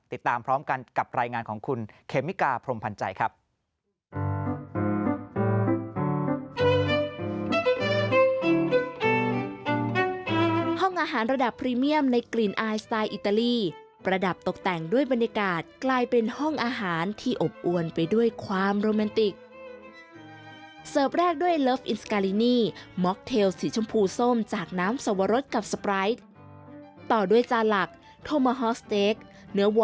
ติดตามพร้อมกันกับรายงานของคุณเคมิกาพรมพันธ์ใจครับ